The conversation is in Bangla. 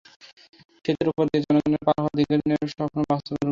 সেতুর ওপর দিয়ে জনগণের পার হওয়ার দীর্ঘদিনের স্বপ্ন বাস্তবে রূপ নিতে যাচ্ছে।